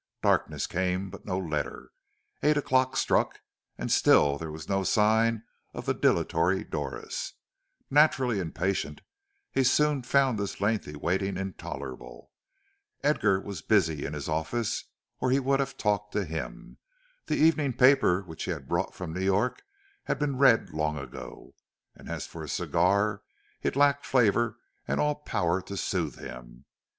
Darkness came, but no letter; eight o'clock struck, and still there was no sign of the dilatory Doris. Naturally impatient, he soon found this lengthy waiting intolerable. Edgar was busy in his office, or he would have talked to him. The evening paper which he had brought from New York had been read long ago, and as for his cigar, it lacked flavor and all power to soothe him.